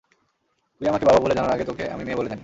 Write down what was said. তুই আমাকে বাবা বলে জানার আগে তোকে আমি মেয়ে বলে জানি।